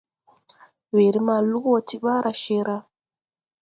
Weere ma lug wo ti ɓaara cee ra ge.